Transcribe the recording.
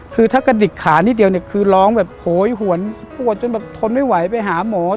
คือถ้ากระดิกขานิดเดียวเนี่ยคือร้องแบบโหยหวนปวดจนแบบทนไม่ไหวไปหาหมอ